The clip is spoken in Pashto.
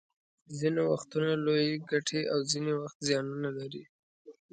ځینې وختونه لویې ګټې او ځینې وخت زیانونه لري